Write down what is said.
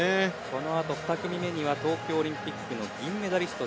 このあと２組目には東京オリンピックンの銀メダリスト